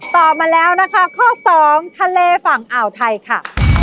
ตอบมาแล้วนะครับข้อ๒ทะเลฝั่งอ่าวไทยค่ะ